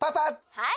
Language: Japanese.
はい！